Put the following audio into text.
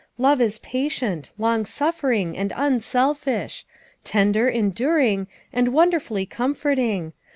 Love is patient, long suffer ing, and unselfish; tender, enduring, and wonderfully comforting.